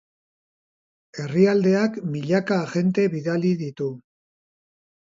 Herrialdeak milaka agente bidali ditu.